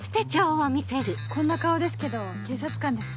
こんな顔ですけど警察官です。